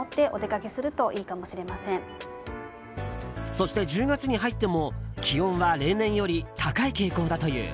そして１０月に入っても気温は例年より高い傾向だという。